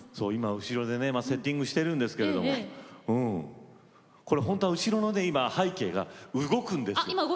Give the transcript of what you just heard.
後ろでセッティングしてるんですけど後ろの背景が動くんです。